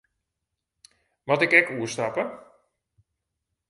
Moat ik ek oerstappe?